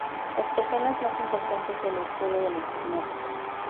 Las personas más importantes de la historia de la informática.